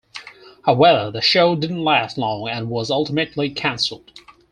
However, the show didn't last long and was ultimately cancelled.